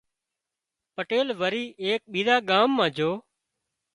پٽيل وري ايڪ ٻيۯان ڳام مان جھو